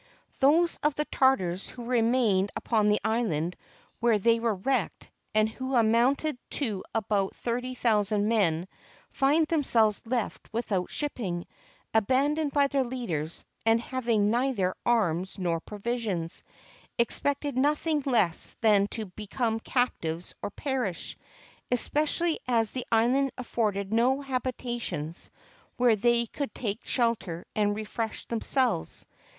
Those of the Tartars who remained upon the island where they were wrecked, and who amounted to about thirty thousand men, finding themselves left without shipping, abandoned by their leaders, and having neither arms nor provisions, expected nothing less than to be come captives or perish ; especially as the island afforded no habitations where they could take shelter and refresh themselves.